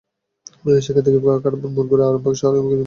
সেখান থেকে কাঁটাবন মোড় ঘুরে আবার শাহবাগে গিয়ে মিছিলটি শেষ হয়।